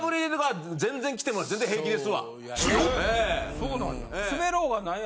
そうなんや。